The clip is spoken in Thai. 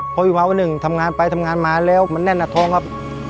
พออีกวันหนึ่งทำงานไปทำงานมาแล้วมันแน่นหน้าท้องครับ